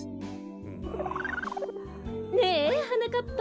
ねえはなかっぱ。